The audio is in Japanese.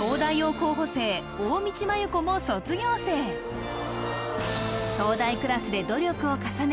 候補生大道麻優子も卒業生東大クラスで努力を重ね